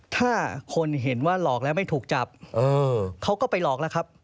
ถ้าคนเห็นว่าหลอกแล้วไม่ถูกจับเขาก็ไปหลอกแล้วครับ